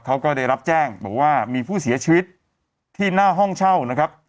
เขาก็ได้รับแจ้งบอกว่ามีผู้เสียชีวิตที่หน้าห้องเช่านะครับ